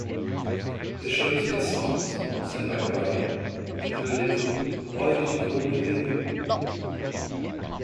The show's hit songs, sung by Bryan, included Why Did You Call Me Lily?